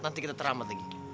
nanti kita teramat lagi